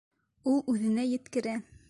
Ул үҙенә еткерә.